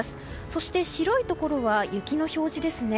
そして、白いところは雪の表示ですね。